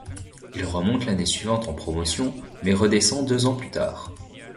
Il remonte l'année suivante en Promotion, mais redescend deux ans plus tard.